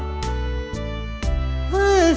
เพลงพร้อมร้องได้ให้ล้าน